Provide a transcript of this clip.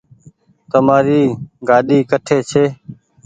تمآري گآڏي ڪٺي ڇي